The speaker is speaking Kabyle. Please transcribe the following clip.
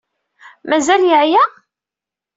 Mazal yeɛya?